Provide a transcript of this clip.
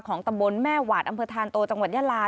ตำบลแม่หวาดอำเภอธานโตจังหวัดยาลา